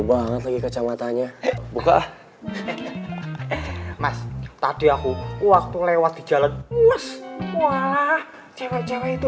banget lagi kacamatanya buka mas tadi aku waktu lewat di jalan wala cewek cewek itu